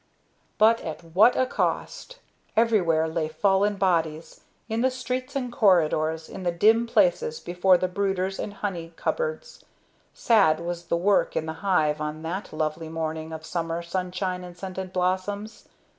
But at what a cost! Everywhere lay fallen bodies, in the streets and corridors, in the dim places before the brooders and honey cupboards. Sad was the work in the hive on that lovely morning of summer sunshine and scented blossoms.